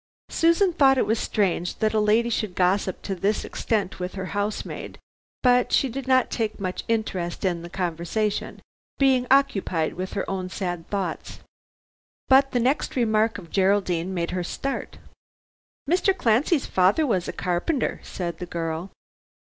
Susan thought it was strange that a lady should gossip to this extent with her housemaid, but she did not take much interest in the conversation, being occupied with her own sad thoughts. But the next remark of Geraldine made her start. "Mr. Clancy's father was a carpenter," said the girl.